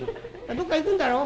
「どっか行くんだろ？」。